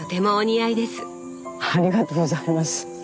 ありがとうございます。